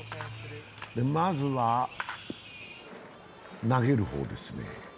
まずは投げる方ですね。